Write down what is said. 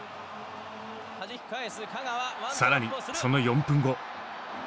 更にその４分後。